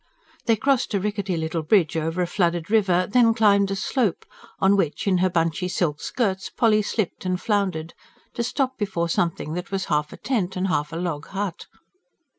They crossed a rickety little bridge over a flooded river; then climbed a slope, on which in her bunchy silk skirts Polly slipped and floundered, to stop before something that was half a tent and half a log hut.